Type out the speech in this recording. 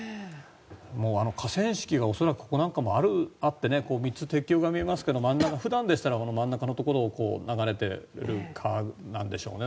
河川敷が恐らくここなんかもあって３つ鉄橋が見えますけど普段でしたら真ん中のところを流れている川なんでしょうね。